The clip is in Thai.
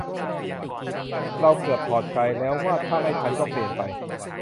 เราเกือบถอดใจแล้วว่าถ้าไม่ทันก็เปลี่ยนไป